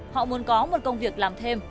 họ muốn có một công việc làm thêm